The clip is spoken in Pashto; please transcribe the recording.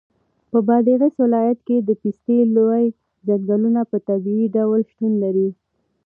په بادغیس ولایت کې د پستې لوی ځنګلونه په طبیعي ډول شتون لري.